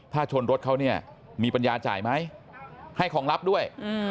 ถ้าชนรถเขาเนี่ยมีปัญญาจ่ายไหมให้ของลับด้วย